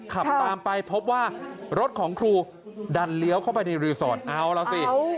ขับตามไปพบว่ารถของครูดันเลี้ยวเข้าไปในรีสอร์ทเอาแล้วสิ